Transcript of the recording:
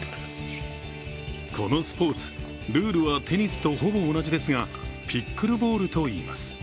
このスポーツ、ルールはテニスとほぼ同じですが、ピックルボールといいます。